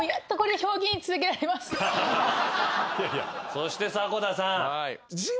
そして迫田さん。